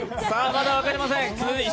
まだ分かりません。